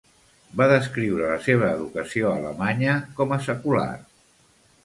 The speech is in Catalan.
Va descriure la seva educació alemanya com a secular.